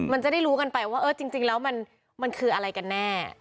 มันจะได้รู้กันไปว่าเออจริงแล้วมันคืออะไรกันแน่